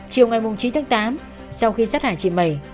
chiều ngày chín tháng tám sau khi sát hại chị mẩy